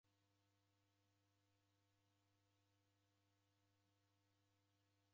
Ow'ilongoza w'ikapata w'usimi.